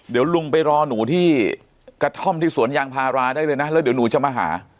เดี๋ยวลุงไปรอหนูที่กระท่อมที่สวนยางพาราได้เลยนะแล้วเดี๋ยวหนูจะมาหา